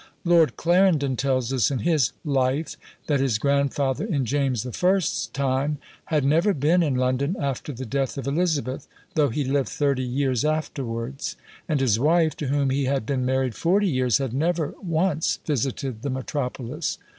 Lord Clarendon tells us, in his "Life," that his grandfather, in James the First's time, had never been in London after the death of Elizabeth, though he lived thirty years afterwards; and his wife, to whom he had been married forty years, had never once visited the metropolis.